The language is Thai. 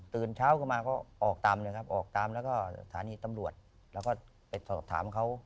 เช้าเข้ามาก็ออกตามเลยครับออกตามแล้วก็สถานีตำรวจแล้วก็ไปสอบถามเขา